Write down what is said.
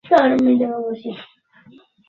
হ্যাঁঁ, অবশ্যই খেয়াল রাখা উচিত।